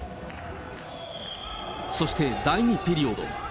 そして第２ピリオド。